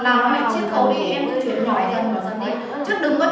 làm chiếc khẩu đi em cứ chuyển nhỏ dần vào dần đi